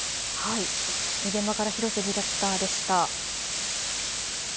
現場から広瀬ディレクターでした。